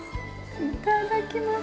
いただきます。